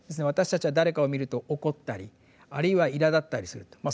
私たちは誰かを見ると怒ったりあるいはいらだったりすると。